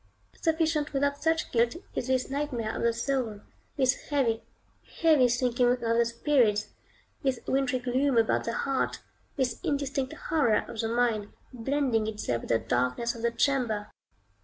Sufficient without such guilt is this nightmare of the soul; this heavy, heavy sinking of the spirits; this wintry gloom about the heart; this indistinct horror of the mind, blending itself with the darkness of the chamber.